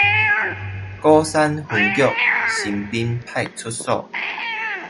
鼓山分局新濱派出所